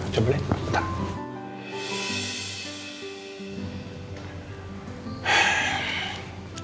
coba lihat bentar